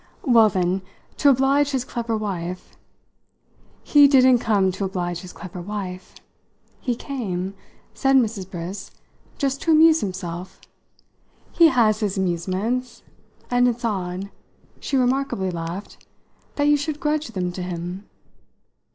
"Well, then, to oblige his clever wife " "He didn't come to oblige his clever wife! He came," said Mrs. Briss, "just to amuse himself. He has his amusements, and it's odd," she remarkably laughed, "that you should grudge them to him!"